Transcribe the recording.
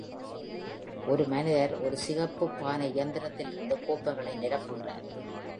ஒரு மனிதர் ஒரு சிகப்பு பான இயந்திரத்திலிருந்து கோப்பைகளை நிரப்புகிறார்.